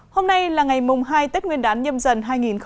hôm nay là ngày mùng hai tết nguyên đán nhâm dần hai nghìn hai mươi bốn